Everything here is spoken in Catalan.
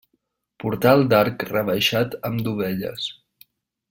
Portal d'arc rebaixat amb dovelles.